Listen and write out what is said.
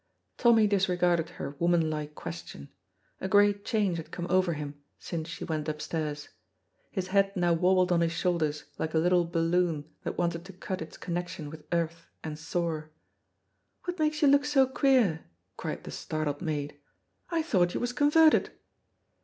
Tommy disregarded her womanlike question; a great change had come over him since she went upstairs; his bead now wobbled on his shoulders like a little balloon that wanted to cut its connection with earth and soar. "What makes you look so queer?" cried the startled maid. "I thought you was converted."